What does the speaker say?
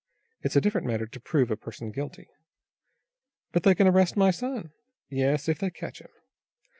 It's a different matter to prove a person guilty." "But they can arrest my son." "Yes if they catch him.